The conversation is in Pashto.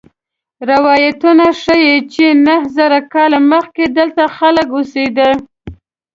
روایتونه ښيي چې نهه زره کاله مخکې دلته خلک اوسېدل.